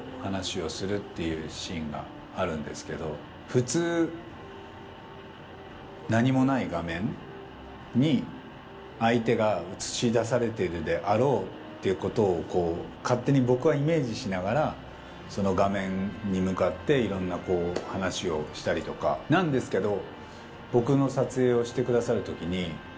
普通何もない画面に相手が映し出されているであろうっていうことを勝手に僕はイメージしながらその画面に向かっていろんな話をしたりとかなんですけど。